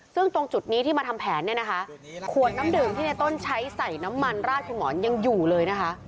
ซึ่งตรงจุดนี้ที่มาทำแผนเนี่ยนะคะขวดน้ำดื่มที่ในต้นใช้ใส่น้ำมันราดคุณหมอนยังอยู่เลยนะคะ